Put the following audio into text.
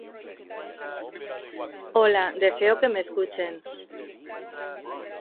Desde hace años se dedica por completo a la escritura.